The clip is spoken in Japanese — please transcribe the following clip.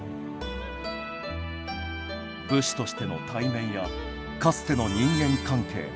武士としての体面やかつての人間関係。